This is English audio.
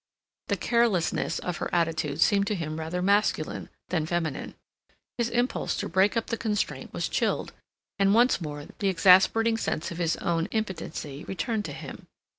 The carelessness of her attitude seemed to him rather masculine than feminine. His impulse to break up the constraint was chilled, and once more the exasperating sense of his own impotency returned to him.